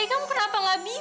kamu kenapa gak bisa